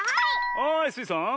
はいスイさん。